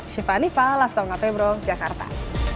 sivanipa lastonga februar jakarta